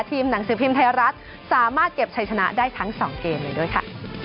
หนังสือพิมพ์ไทยรัฐสามารถเก็บชัยชนะได้ทั้ง๒เกมเลยด้วยค่ะ